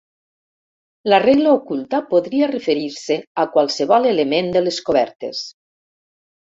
La regla oculta podria referir-se a qualsevol element de les cobertes.